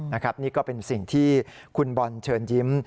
นี่ก็เป็นสิ่งที่คุณบอลเชิญยิ้ม